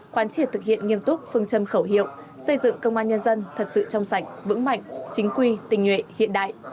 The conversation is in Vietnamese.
quán triệt thực hiện nghiêm túc phương châm khẩu hiệu xây dựng công an nhân dân thật sự trong sạch vững mạnh chính quy tình nguyện hiện đại